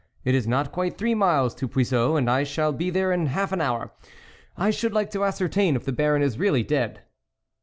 It is not quite three miles to Puiseux and I shall be there in half an hour ; I should like to ascertain if the Baron is really dead."